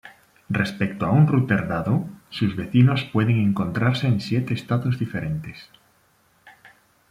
Respecto a un "router" dado, sus vecinos pueden encontrarse en siete estados diferentes.